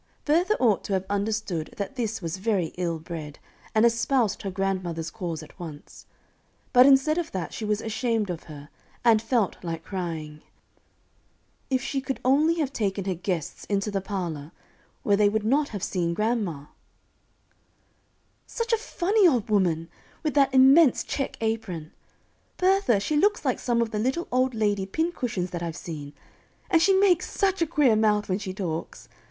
Bertha ought to have understood that this was very ill bred, and espoused her grandmother's cause at once; but instead of that she was ashamed of her, and felt like crying. If she could only have taken her guests into the parlor, where they would not have seen grandma! [Illustration: "Isn't your grandmother a funny old woman?"] "Such a funny old woman, with that immense check apron! Bertha, she looks like some of the little old lady pincushions that I've seen, and she makes such a queer mouth when she talks.